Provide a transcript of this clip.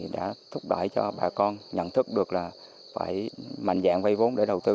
đã thúc đẩy cho bà con nhận thức được là phải mạnh dạng vay vốn để đầu tư